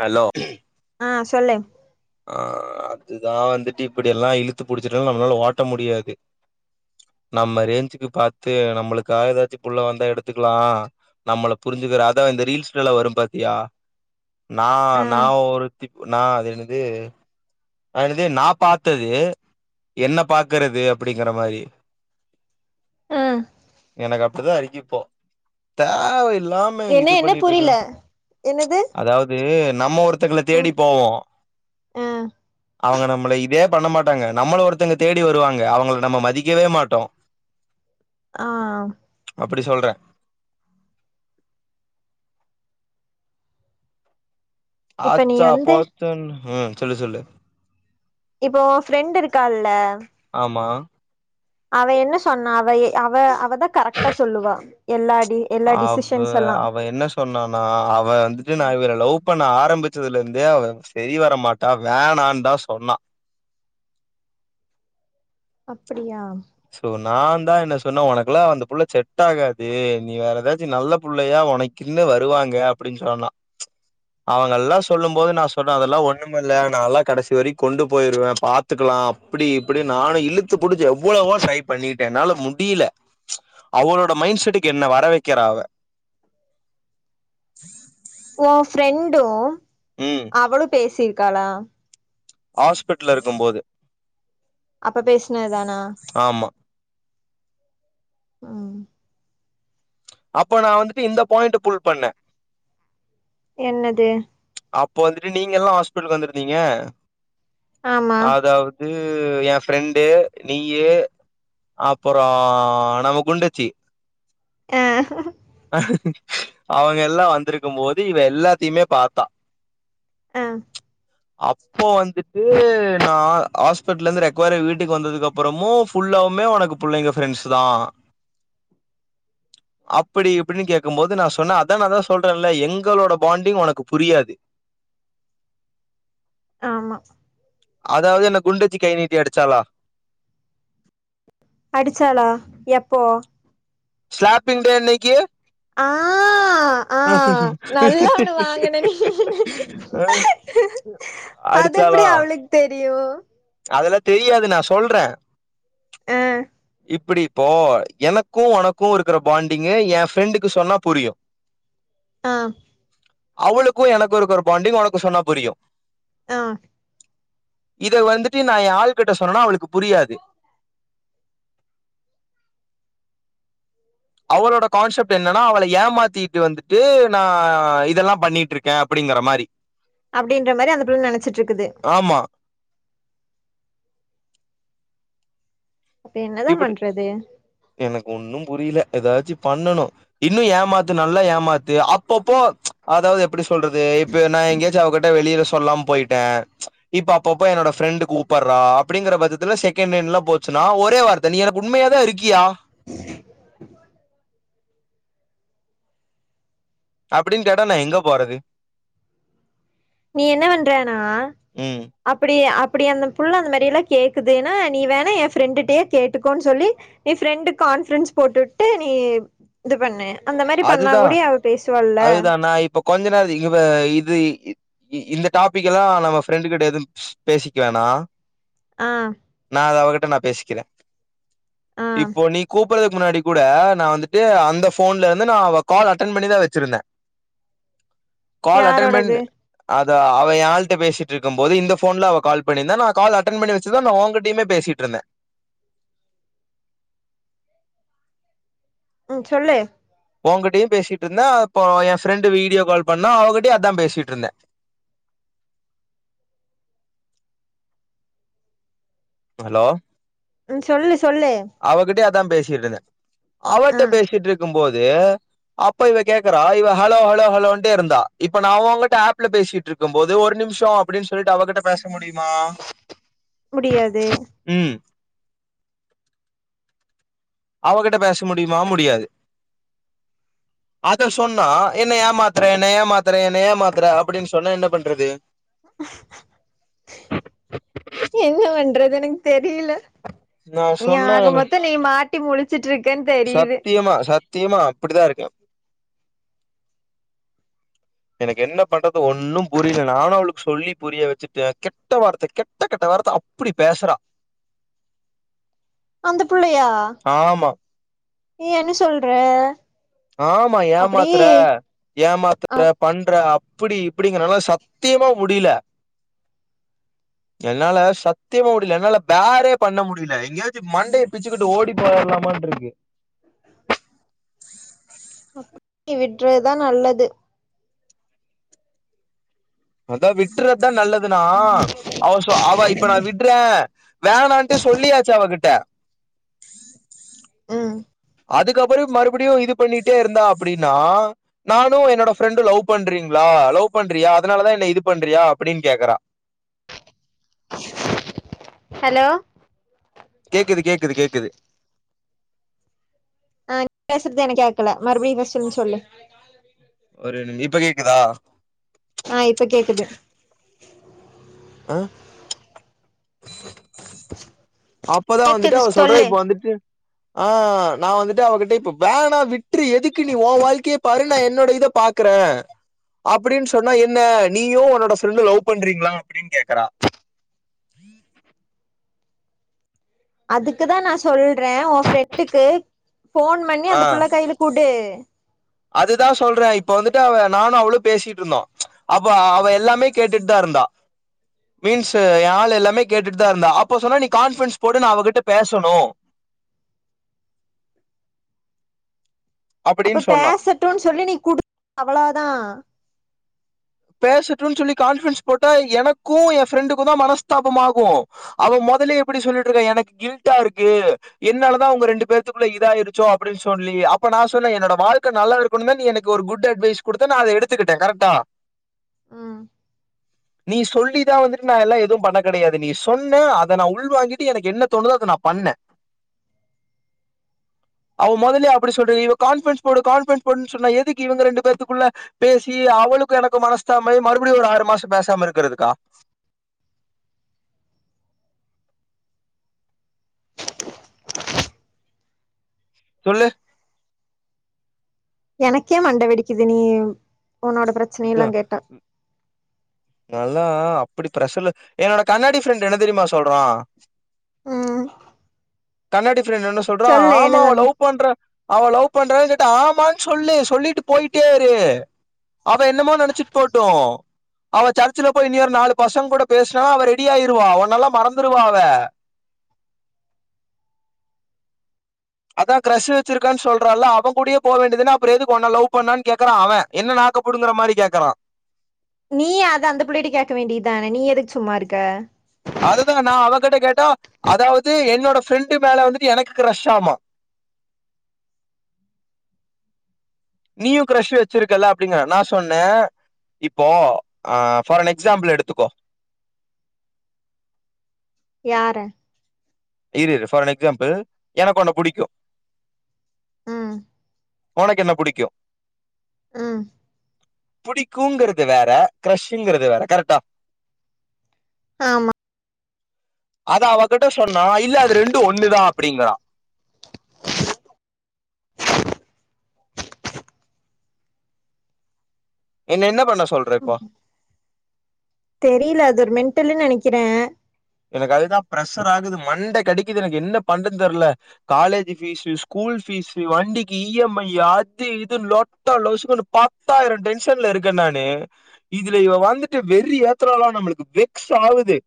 hello ஆஹ் சொல்லு இதுதா வந்துட்டு இப்டி எல்லா இழுத்து புடிச்சுட்டு நம்மளால ஓட்ட முடியாது நம்ம ரேஞ்சுக்கு பாத்து நம்மளுக்காக ஏதாச்சும் புள்ள வந்தா எடுத்துக்கலா நம்மள புரிஞ்சுக்கிற அதான் இந்த ரீல்ஸ்லல்லா வரும் பாத்தியா நா ஆ நா ஒரு த்தி நா அது என்னது அது நா பாத்தது என்ன பாக்குறது அப்டிங்கற மாதிரி ம்ம்ம் எனக்கு அப்டிதா இருக்குப்போ தேவ இல்லாம என்ன இது என்ன பண்ணிட்டு இருக்கா புரில என்னது அதாவ்து நம்ம ஒருத்தங்கல தேடி ம் போவோ ஆ அவங்க நம்மள இதே பண்ண மாட்டாங்க நம்மள ஒருத்தங்க தேடி வருவாங்க அவங்கள நம்ம மதிக்கவே மாட்டோ ஆஹ் அப்பிடி சொல்ற இப்ப நீ ஆச்சா வந்து போச்சா ன்னு சொல்லு சொல்லு இப்போ ஃப்ரெண்ட் இருக்கால்ல ஆமா அவ என்ன சொன்ன அவ அவ அவ கரெக்டா சொல்லுவா எல்லா டி எல்லா அவ்வ டிசிஷன்ஸ் எல்லா அவ என்ன சொன்னானா அவ வந்துட்டு நா இவர லவ் பண்ண ஆரம்பிச்சதுல இருந் து அவ சரி வரமாட்டா வேணான் தா சொன்னா அப்படியா சோ நாந் தா என்ன சொன்ன உனக்கெல்லா அந்த புள்ள செட் டாகாது நீ வேற ஏதாச்சி நல்ல புள்ளையா உனக்கின்னு வருவாங்க அப்படின்னு சொன்னா அவங்க ல்லா சொல்லும் போது நா சொன்ன அதெல்லா ஒண்ணும் மில்ல நா ல்லா கடசி வரைக்கு கொண்டு போயிருவ பாத்துக்கலா அப்பிடி இப்பிடி நானு இழுத்து புடிச்சு எவ்வளவோ ட்ரை பண்ணிட்டே என்னால முடியல அவளோட மைண்ட் செட்டுக்கு என்னை வர வக்கிறா அவ ஓ ஃப்ரெண்டு ம் அவளு பேசி காலா ஆஸ்பிட்ல இருக்கும்போது அப்ப பேசுனதுதானா ஆமா உ அப்ப நா வந்துட்டு இந்த பாயிண்ட் புல் பண்ண என்னது அப்போ வந்துட்டு நீங்க ல்லா ஆஸ்பிட்லுக்கு வந்துருந்தீங்க ஆமா அதாவது எ ஃப்ரண்டு நீய்யீ அப்பறோ நம்ம குண்டச்சி ஆஹ் அவங்க எல்லா வந்திருக்கும் போது இவ எல்லாத்தையுமே பாத்தா ஆஹ் அப்போ வந்துட்டு நா ஹாஸ்பிடலருந்து ரெக்வராய் வீட்டுக்கு வந்ததுக்கப்புறமு ஃபுல்லாவுமே உனக்கு புள்ளைங்க ஃபரெண்ட்ஸ் தா அப்படி இப்படின்னு கேக்கும் போது நா சொன்ன அதா நா தா சொல்றேன்ல எங்களோட பாண்டிங் ஒனக்கு புரியாது ஆமா அதாவது என்ன குண்டச்சி கை நீட்டி அடிச்சாளா அடிச்சாளா எப்போ ஸ்லாப்பிங் டே அன்னக்கி ஆ அஹ் ஹா நல்லா ஒண்ணு வாங்கன நீயி அதெப்டி அடிச்சாளா அவளுக் தெரியு அதெல்லா தெரியாது நா சொல்ற ஆஹ் இப்டி இப்போ எனக்கு உனக்கு இருக்கிற பாண்டிங்கு எ ஃப்ரண்டுக்கு சொன்னா புரியு ஆஹ் அவளுக்கு எனக்கு இருக்குற பாண்டிங் ஒனக்கு சொன்னா புரியு ஆஹ் இத வந்துட் ட்டு நா எ ஆள் கிட்ட சொன்னனா அவளுக்கு புரியாது அவளோட கான்செப்ட் என்னன்னா அவள ஏமாத்திட்டு வந்துட்டு நா இதெல்லா பண்ணிட்ருக்கே அப்படிங்கற மாரி அப்படின்ற மாரி அந்த புள்ளை நெனைச்சிட்டு இருக்குது ஆமா அப்ப என்னதா இப்பிடி பண்றது எனக்கு ஒன்னும் புரில ஏதாச்சி பண்ணணு இன்னு ஏமாத்து நல்லா ஏமாத்து அப்பப்போ அதாவது எப்புடி சொல்றது இப்ப நா எங்கேயாச்சு அவகிட்ட வெளியில சொல்லாம போயிட்டே இப்ப அப்பப்போ என்னோட ஃப்ரெண்டு கூப்படறா அப்புடிங்கற பத்தத்துல செகண்ட் லைன்லா போச்சுன்னா ஒரே வார் த்த நீ எனக்கு உண்மையா தா இருக்கியா அப்பிடின்னு கேட்டா நா எங்க போறது நீ என்ன பண்றேனா ம் அப்பிடி அப்பிடி அந்த புள்ள அந்த மாதிரியெல்லா கேக்குது ஏனா நீ வேணா எ ஃப்ரெண்டுட்டையே கேட்டுக்கோனு சொல்லி நீ ஃப்ரெண்டுக்கு கான்ஃபரென்ஸ் போட்டுட்டு நீ இது பண்ணு அந்த மாரி பண்ணா அதுதா கூடயு அவ பேசுவாள்ல அதுதா நா இப்ப கொஞ்ச நேர இவ இது இ இந்த டாபிக்கதா நம்ம ஃப்ரெண்டு கிட்ட எதும் பேசிக்க வேணா ஆஹ் அத அவகிட்ட நா பேசிக்கறே ஆ இப்போ நீ கூப் கூப்படறதுக்கு முன்னாடி கூட நா வந்துட்டு அந்த ஃபோன்ல இருந் து நா அவ கால் அட்டன் பண்ணிதா வச்சிருந்தே கால் அட்டென்பன் யாரோடது த அவ எ ஆள்ட்ட பேசிட்டு இருக்கும் போது இந்த ஃபோன்ல அவ கால் பண்ணிருந்தா நா கால் அட்டன் பண்ணி வச்சுதா நா உங்கிட்டயுமே பேசிட்டு இருந்த ம் சொல்லு உங்கிட்டயு பேசிட்டு இருந்த அப்போ எ ஃப்ரெண்டு வீடியோ கால் பண்ணா அவகிட்டயு அதா பேசிட்டு இருந்த ஹலோ ம் சொல்லு சொல்லு தான் பேசிட்டுருந்த ஆ அவட்ட பேசிட்டு இருக்கும் போது அப்ப இவ கேக்கிறா இவ ஹலோ ஹலோ ஹலோண்டே இருந்தா இப்ப நா உன்கிட்ட ஆப்ல பேசிட்டு இருக்கும்போது ஒரு நிமிஷோ அப்டின்னு சொல்ட்டு அவகிட்ட பேச முடியுமா முடியாது ம் அவகிட்ட பேச முடியுமா முடியாது அத சொன்னா என்ன ஏமாத்தற என்ன ஏமாத்தற என்ன ஏமாத்தற அப்டின்னு சொன்னா என்ன பண்றது என்ன பண்றது எனக்கு தெரில நா நீ சொன்னா ஆக எனக்கு மொத்தோ நீ மா ட்டி முழிச்சிட்டுரு சத்தியமா சத்தியமா அப்படிதா இருக்க எனக்கு என்ன பண்றது ஒன்னும் புரியல நானு அவளுக்கு சொல்லி புரிய வெச்சுட்ட கெட்ட வார்த்தை கெட்ட கெட்ட வார்த்தை அப்படி பேசறா அந்த புள்ளயா என்ன சொல்ற ஆமா அப்படி ஏமாத்தற ஏமாத்தற அப்படி பண்ற இப்படி இப்படிங்கறனால சத்தியமா முடியல என்னால சத்தியமா முடியல என்னால பேறே பண்ண முடியல எங்கேயாச்சு மண்டய பிச்சுக்கிட்டு ஓடி போய்ரலாமான்ட்டு இருக்கு விடுறதுதா நல்லது அதா விட்டுறதா நல்லது க்குனா அவ சொ அவ இப்ப நா விட்டுட்றே வேணான்ட்டு சொல்லியாச்சி அவகிட்ட ம் அதுக்கப்பறோ மறுபடியு இது பண்ணிட்டே இருந்தா அப்புடின்னா நானு என்னோட ஃப்ரெண்டு லவ் பண்றீங்களா லவ் பண்றியா அதனாலதா என்ன இது பண்றியா அப்டின்னு கேக்குறா ஹலோ கேக்குது கேக்குது கேக்குது ஆஹ் நீ பேசுறது எனக் கேட்கல மறுபடியு ஃபஸ்ட்லருந்து சொல்லு நாளைக் கால்லே வீட்டுலருந் ஒரு இப்ப கேக்குதா ஆ இப்ப கேக்குது ஆ அப்பதா வந்துட்டு கேக்குது அவ சொல்ற சொல்லு இப்ப வந்துட்டு ஆ நா வந்துட்டு அவகிட்ட இப்ப வீணா விட்ரு எதுக்கு நீ ஓ வாழ்க்கைய பாரு நா என்னோட இத பாக்குறே அப்டின் சொன்னா என்ன நீயு உன்னோட ஃப்ரெண்டு லவ் பண்றீங்ளா அப்டின் கேக்குறா அதுக்கு தா நா சொல் றே ஓ ஃப்ரெண்டுக்கு ஃபோன் பண்ணி அந்த புள்ள கைல குடு அது தா சொல்றே இப்ப வந்துட்டு அவ நானு அவளு பேசிட்டு இருந்தோ அப்ப அவ எல்லாமே கேட்டுட்டு தா இருந்தா மீன்ஸ்சு ஏ ஆள் எல்லாமே கேட்டுட்டு தாருந்தா அப்ப சொன்னா நீ கான்ஃபிரன்ஸ் போடு நா அவகிட்ட பேசணு அப்புடின் சொன்னா ட்டுன் சொல்லி நீ குடு அவ்ளோதா பேசட்டுன் சொல்லி கான்ஃபிரன்ஸ் போட்டா எனக்கு என் ஃப்ரெண்டுக்கு தா மனஸ்தாபமாகு அவ மொதலே எப்புடி சொல்ட்டுருக்க எனக்கு கில்டா இருக்கு என்னால தா ஒங்க ரெண்டு பேத்துகுள்ள இதாயிருச்சோ அப்புடின் சொல்லி அப்ப நா சொன்னே என்னோட வாழ்க நல்லா இருக்கனுன் நீ எனக்கு ஒரு குட் அட்வைஸ் குடுத்த நா அத எடுத்துகிட்டே கரெக்டா ம் நீ சொல்லிதா வந்துட்டு நா எல்லா எதுவு பண்ண கெடயாது நீ சொன்ன அத நா உள்வாங்கிட்டு எனக்கு என்ன தோணுதோ அத நா பண்ணே அவ மொதலே அப்புடி சொல்லி இவ கான்ஃபிரன்ஸ் போடு கான்ஃபிரன்ஸ் போடு சொன்ன எதுக்கு இவங்க ரெண்டு பேத்துகுள்ள பேசி அவளுக்கு எனக்கு மனசு தாபமாயி மறுபடியு ஒரு ஆறு மாச பேசாமருக்குறதுக்கா சொல்லு எனக்கே மண்டே வெடிக்குது நீ உன்னோட பிரச்சனையெல்லா இதான் கேட்டா அப்புடி பிரஸலு என்னோட கண்ணாடி ஃப்ரெண்ட்டு என்ன தெரியுமா சொல்றா ஆ கண்ணாடி ஃப்ரெண்ட் என்ன சொல்றா ஆமா அவ்ள லவ் பண்ற அவ லவ் பண்றோ கேட்டா ஆமானு சொல்லு சொல்லிட்டு போயிட்டேயிரு அவ என்னமோ நெனச்சிட் போட்டு அவ சர்ச்சுல போய் நியர் நாலு பசங்க கூட பேசுனா அவ ரெடியாயிருவா ஒன்னெல்லா மறந்துருவா அவ அத கிரஷு வச்சிருக்குறே சொல்றால்ல அவன் கூடயே போ வேண்டியதனே அப்புற எதுக் ஒண்ண லவ் பண்ணான்னு கேக்குறா அவன் என்ன நாக்கப்புடுங்குற மாரி கேக்குறா நீ அத அந்த புள்ளைட்ட கேக்க வேண்டியதானே நீ எதுக்கு சும்மாருக்க அதுதா நா அவகிட்ட கேட்டா அதாவது என்னோட ஃப்ரெண்டு மேல வந்துட்டு எனக்கு கிரஷ்ஷாமா நீயு கிரஷ் வச்சிருக்கல்ல அப்டிங்கிறே நா சொன்னே இப்போ ஆ ஃபார் அன் எக்ஸாம்புள் எடுத்துக்கோ யார இரு இரு ஃபார் அன் எக்ஸாம்புள் எனக் ஒன்ன புடிக்கு ம் ஒனக்கு என்ன புடிக்கு ம் புடிக்குங்றது வேற கிரஷ்ஷுங்றது வேற கரெக்டா ஆமா அத அவகிட்ட சொ னா இல்ல அது ரெண்டு ஒண்ணுதா அப்டிங்றா என்ன என்ன பண்ண சொ தெரில அது ஒரு மெண்டலு நெனை னைக்குற எனக்கு அதுதா பிர்ஷராகுது மண்ட கடிக்குது எனக்கு என்ன பண்ற தெர்ல காலேஜ் ஃபீசு ஸ்கூல் ஃபீசு வண்டிக்கு இஎம்ஐ அது இது லொட்டா லோசுக்குன் பத்தாயிர டென்ஷன்ல இருக்கே நானு இதுல இவ வந்துட்டு வெறி ஏத்ராலா நம்ளுக்கு வெக்ஸாவுது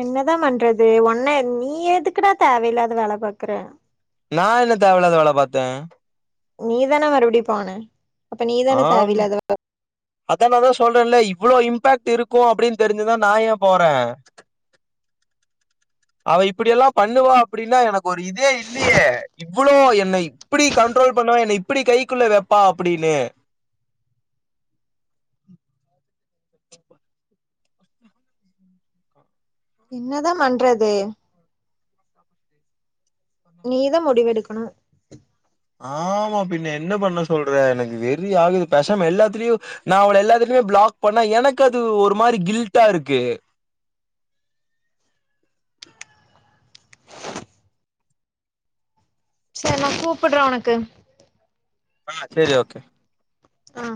என்னதா பண்றது ஒன்ன நீ எதுக்குடா தேவயில்லாத வேல பாக்குற நா என்ன தேவ இல்லாத வேல பாத்தே நீதான மறுபடி பான அப்ப நீதானதே விழாதவ அதா நாதா சொல்றேல இவ்ளோ இம்பாக்ட் இருக்கோ அப்டின்னு தெரிஞ்சுந்தா நா ஏ போறே அவ இப்படி எல்லா பண்ணுவா அப்டினா எனக்கு ஒரு இதே இல்லியே இவ்ளோ என்ன இப்பிடி கண்ட்ரோல் பண்ணுவா என்ன இப்பிடி கைக்குள்ள வெப்பா அப்பிடின்னு என்னதா பண்றது நீதா முடிவெடுக்கணு ஆமா பின்ன என்ன பண்ண சொல்றே எனக்கு வெறி ஆகுது பேசாம எல்லாத்திலியு நா அவள எல்லாத்துலியுமே பிளாக் பண்ண எனக்கு அது ஒரு மாரி கில்டா இருக்கு செரி நா கூப்புடுறே உனக்கு செரி ஓகே ஆ